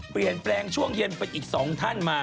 เปลี่ยนแปลงช่วงเย็นเป็นอีก๒ท่านมา